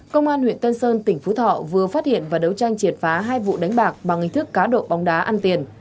công an huyện tân sơn tỉnh phú thọ vừa phát hiện và đấu tranh triệt phá hai vụ đánh bạc